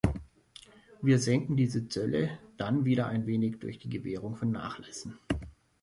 Wir senken diese Zölle dann wieder ein wenig durch die Gewährung von Nachlässen.